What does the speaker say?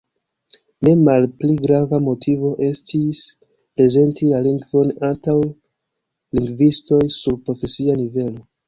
Ne malpli grava motivo estis prezenti la lingvon antaŭ lingvistoj sur profesia nivelo.